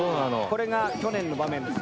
これが去年の場面です。